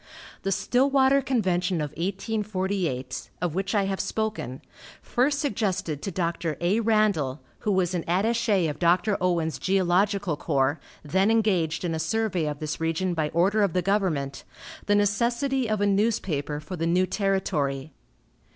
The Stillwater convention of 1848, of which I have spoken, first suggested to Dr. A. Randall, who was an attache of Dr. Owen's geological corps, then engaged in a survey of this region by order of the government, the necessity of a newspaper for the new territory.